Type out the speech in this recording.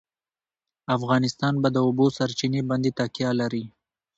افغانستان په د اوبو سرچینې باندې تکیه لري.